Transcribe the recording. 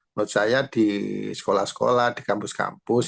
menurut saya di sekolah sekolah di kampus kampus